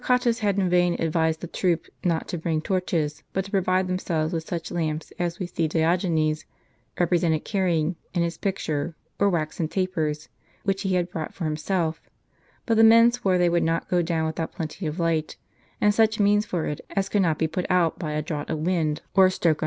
Torquatus had in vain advised the troop not to bring torches, but to provide themselves with such lamps as we see Diogenes rej)resented carrying, in his picture, or waxen tapers, which he had brought for himself; but the men swore they would not go down without plenty of light, and such means for it as could not be jDut out by a draught of wind, or a stroke An Alter in the Cemetery of St. Sixtns.